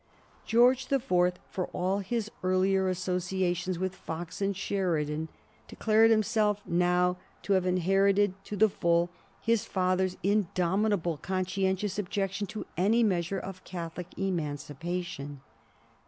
George the Fourth, for all his earlier associations with Fox and Sheridan, declared himself now to have inherited to the full his father's indomitable conscientious objection to any measure of Catholic Emancipation.